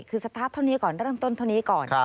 คือสตาร์ทเท่านี้ก่อนเริ่มต้นเท่านี้ก่อน